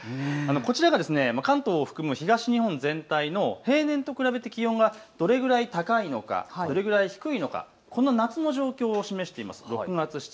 こちら関東を含む東日本全体の平年と比べて気温がどれぐらい高いのか、どれぐらい低いのかこの夏の状況を示しています。